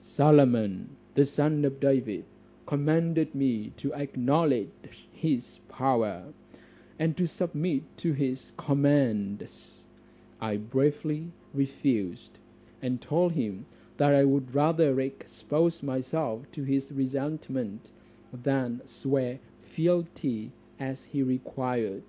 "Solomon, the son of David, commanded me to acknowledge his power, and to submit to his commands: I bravely refused, and told him, I would rather expose myself to his resentment, than swear fealty as he required.